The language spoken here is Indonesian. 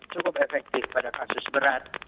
cukup efektif pada kasus berat